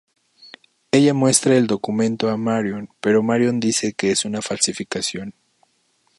Ella muestra el documento a Marion, pero Marion dice que es una falsificación.